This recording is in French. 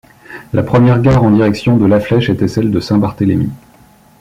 La première gare en direction de La Flèche était celle de Saint-Barthélémy.